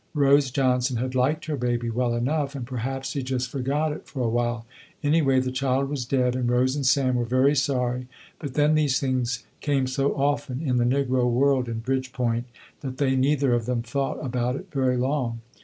Rose Johnson had liked her baby well enough and perhaps she just forgot it for a while, anyway the child was dead and Rose and Sam were very sorry, but then these things came so often in the negro world in Bridgepoint that they neither of them thought about it very long.